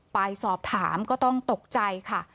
ไปสอบถามก็ต้องตกใจค่ะ